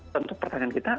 tentu pertanyaan kita